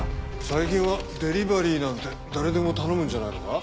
最近はデリバリーなんて誰でも頼むんじゃないのか？